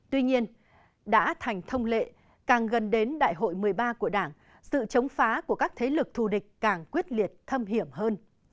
tuy nhiên đã thành thông lệ càng gần đến đại hội một mươi ba của đảng sự chống phá của các thế lực thù địch càng quyết liệt thâm hiểm hơn